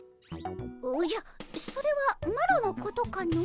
おじゃそれはマロのことかの？